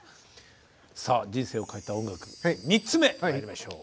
さあ人生を変えた音楽３つ目まいりましょう。